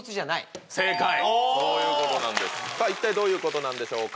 ピンポン一体どういうことなんでしょうか